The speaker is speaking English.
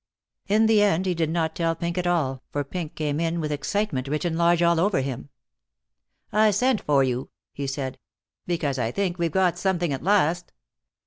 In the end he did not tell Pink at all, for Pink came in with excitement written large all over him. "I sent for you," he said, "because I think we've got something at last.